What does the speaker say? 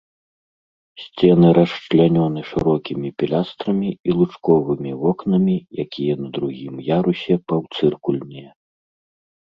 Сцены расчлянёны шырокімі пілястрамі і лучковымі вокнамі, якія на другім ярусе паўцыркульныя.